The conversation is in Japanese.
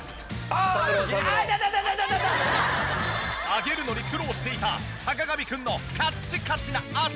上げるのに苦労していた坂上くんのカッチカチな足。